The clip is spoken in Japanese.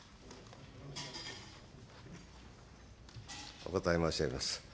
お答え申し上げます。